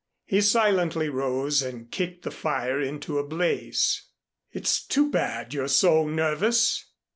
He silently rose and kicked the fire into a blaze. "It's too bad you're so nervous."